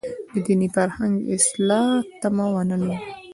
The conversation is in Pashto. د دیني فرهنګ اصلاح تمه ونه لرو.